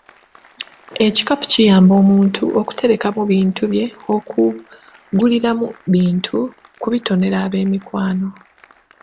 Ekikapu kiyamba omunto okuterekamu bintu bye, kuguliramu bintu, kubitonera abeemikwano.